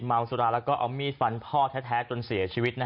เมาสุราแล้วก็เอามีดฟันพ่อแท้จนเสียชีวิต